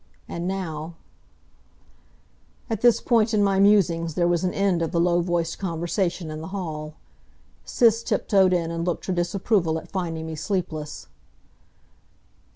And now At this point in my musings there was an end of the low voiced conversation in the hall. Sis tiptoed in and looked her disapproval at finding me sleepless.